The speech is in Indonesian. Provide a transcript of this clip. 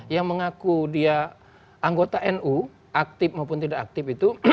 yang mengaku dia anggota nu aktif maupun tidak aktif itu